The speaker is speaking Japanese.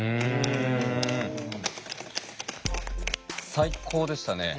最高でしたね。